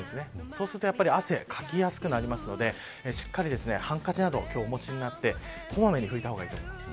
そうすると、やっぱり汗をかきやすくなるのでしっかりハンカチなどをお持ちになってこまめに拭いた方がいいと思います。